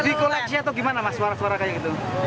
di koleksi atau gimana mas suara suara kayak gitu